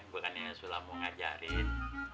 makanya sudah mau ngajarin